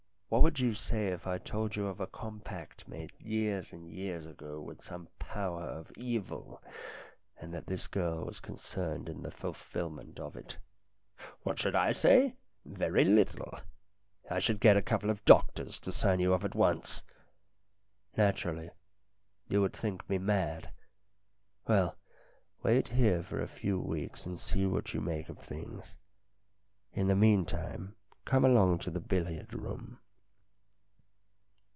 What would you say if I told you of a compact made years and years ago with some power of evil, and that this girl was concerned in the fulfilment of it ?"" What should I say ? Very little. I should get a couple of doctors to sign you up at once." " Naturally. You would think me mad. Well, wait here for a few weeks, and see what you make of things. In the meantime, come along to the billiard room."